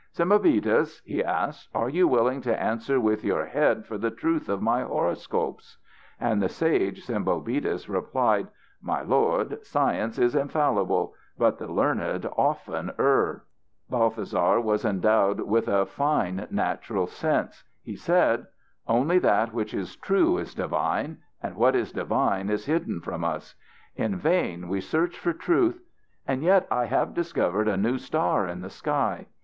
"Sembobitis," he asked, "are you willing to answer with your head for the truth of my horoscopes?" And the sage Sembobitis replied: "My lord, science is infallible, but the learned often err." Balthasar was endowed with fine natural sense. He said: "Only that which is true is divine, and what is divine is hidden from us. In vain we search for truth. And yet I have discovered a new star in the sky.